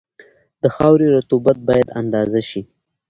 د خاورې رطوبت باید اندازه شي